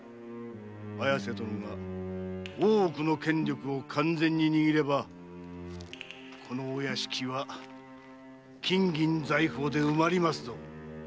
綾瀬殿が大奥の権力を完全に握ればこのお屋敷は金銀財宝で埋まりますぞ。